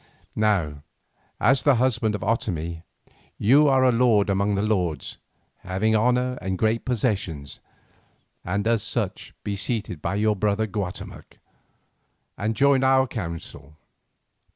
Now as the husband of Otomie, you are a lord among the lords, having honour and great possessions, and as such be seated by your brother Guatemoc, and join our council."